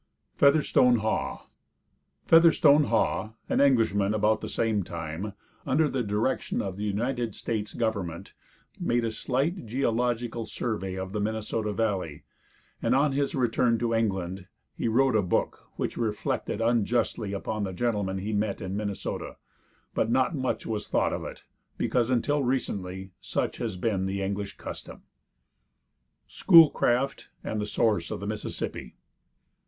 FEATHERSTONEHAUGH. Featherstonehaugh, an Englishman, about the same time, under the direction of the United States government, made a slight geological survey of the Minnesota valley, and on his return to England he wrote a book which reflected unjustly upon the gentlemen he met in Minnesota; but not much was thought of it, because until recently such has been the English custom. SCHOOLCRAFT AND THE SOURCE OF THE MISSISSIPPI.